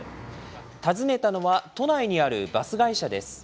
訪ねたのは、都内にあるバス会社です。